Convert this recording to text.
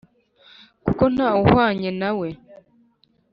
kuko nta wuhwanye nawe